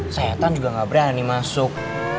sayetan juga gak berani masuk